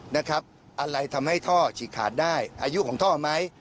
อะไรทำให้ท่อฉีกขาดได้อายุของท่อไหม